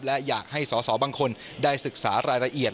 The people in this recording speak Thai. และอยากให้สอสอบางคนได้ศึกษารายละเอียด